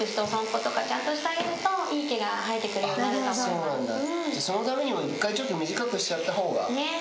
あっそうなんだ。